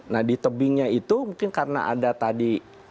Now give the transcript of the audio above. nah di tebingnya itu mungkin karena ada tadi